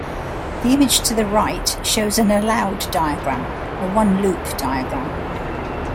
The image to the right shows an allowed diagram, a one-loop diagram.